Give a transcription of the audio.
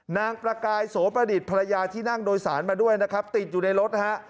นางประกายโสประดิษฐ์ภรรยาที่นั่งโดยสารมาด้วยนะครับติดอยู่ในรถนะฮะ